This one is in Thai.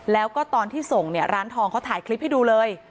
แล้วก็ตอนที่ส่งเนี่ยร้านทองเขาถ่ายคลิปให้ดูเลย